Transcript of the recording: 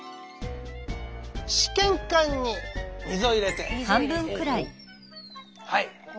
試験管に水を入れてはい